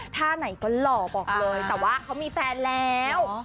ท่าไหนก็หล่อบอกเลยแต่ว่าเขามีแฟนแล้ว